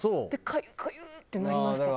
かゆかゆってなりました。